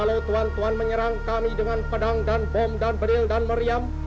kalau tuan tuan menyerang kami dengan pedang dan bom dan beril dan meriam